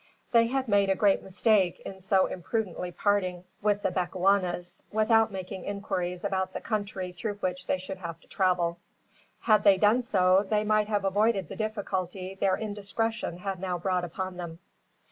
They had made a great mistake in so imprudently parting with the Bechuanas, without making inquiries about the country through which they should have to travel. Had they done so, they might have avoided the difficulty their indiscretion had now brought upon them.